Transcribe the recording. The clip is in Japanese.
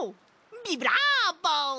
ビブラボ！